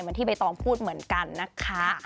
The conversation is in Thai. ที่ใบตองพูดเหมือนกันนะคะ